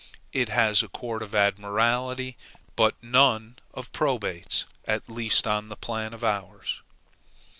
It has a court of admiralty, but none of probates, at least on the plan of ours.